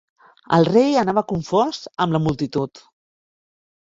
El rei anava confós amb la multitud.